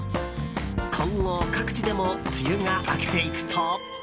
今後、各地でも梅雨が明けていくと。